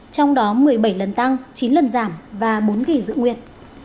trong đó một mươi bảy lần tăng chín lần giảm và bốn kỳ dự nguyên